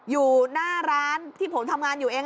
อยู่หน้าร้านที่ผมทำงานอยู่เอง